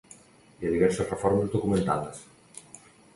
Hi ha diverses reformes documentades.